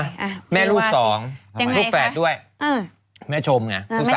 อ้าแม่ลูกสองยังไงลูกแฝดด้วยอืมแม่ชมไงครับไม่ชมไม่ชม